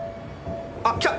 あっ来た！